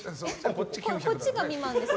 こっちが未満ですよ？